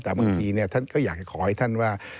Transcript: แต่บางทีท่านก็อยากขอให้ท่านว่า